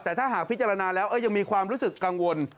แต่ถ้าหากพิจารณาแล้วยังมีความรู้สึกกังวล